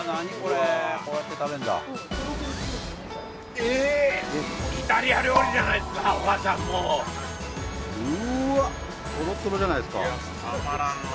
イタリア料理じゃないですかお母さんもう。